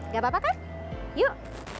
gak apa apa kan yuk